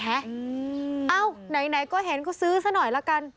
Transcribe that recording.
เอ้าไหนก็เห็นก็ซื้อซะหน่อยละกัน